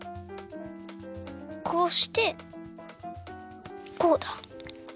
こうしてこうだ。